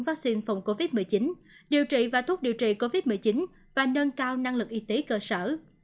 vaccine phòng covid một mươi chín điều trị và thuốc điều trị covid một mươi chín và nâng cao năng lực y tế cơ sở